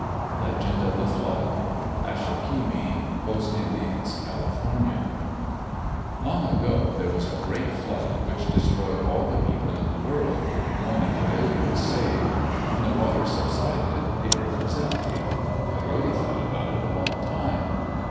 Legend of the Flood Ashochimi (Coast Indians, Cal.) Long ago there was a great flood which destroyed all the people in the world. Only Coyote was saved. When the waters subsided, the earth was empty. Coyote thought about it a long time.